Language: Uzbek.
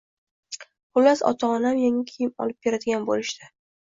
Xullas, ota-onam yangi kiyim olib beradigan bo‘lishdi.